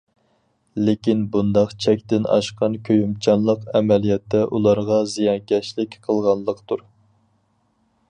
لېكىن، بۇنداق چەكتىن ئاشقان كۆيۈمچانلىق ئەمەلىيەتتە ئۇلارغا زىيانكەشلىك قىلغانلىقتۇر.